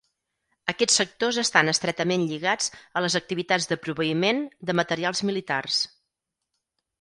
Aquests sectors estan estretament lligats a les activitats de proveïment de materials militars.